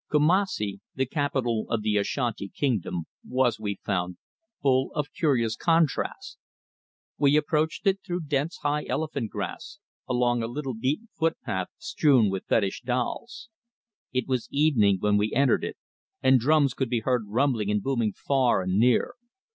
KUMASSI, the capital of the Ashanti kingdom, was, we found, full of curious contrasts. We approached it through dense high elephant grass, along a little beaten foot path strewn with fetish dolls. It was evening when we entered it, and drums could be heard rumbling and booming far and near.